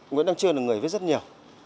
nguyễn đăng trương là người viết rất nhiều